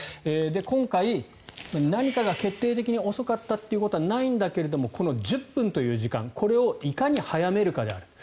今回、何かが決定的に遅かったということはないんだけれどこの１０分という時間これをいかに早めるかである。